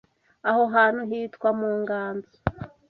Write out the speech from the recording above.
Aho hantu hitwa mu nganzo